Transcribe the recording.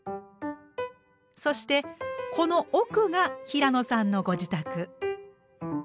そしてこの奥が平野さんのご自宅。